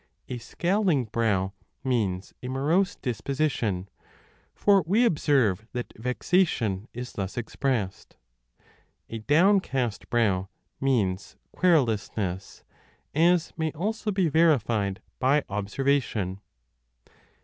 A scowling brow means a morose disposition, for we observe that vexation is thus expressed : a downcast brow means querulousness, as may also be verified by 5 observation.